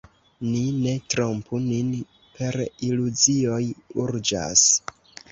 Ni ne trompu nin per iluzioj; urĝas.